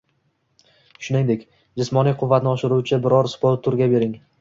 Shuningdek, jismoniy quvvatni oshiruvchi biror sport turiga bering.